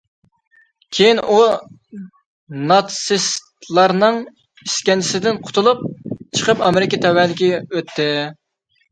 كېيىن ئۇ ناتسىستلارنىڭ ئىسكەنجىسىدىن قۇتۇلۇپ چىقىپ، ئامېرىكا تەۋەلىكىگە ئۆتتى.